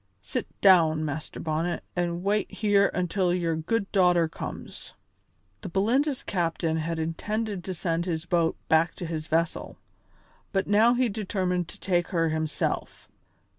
Sit down, Master Bonnet, an' wait here until your good daughter comes." The Belinda's captain had intended to send his boat back to his vessel, but now he determined to take her himself.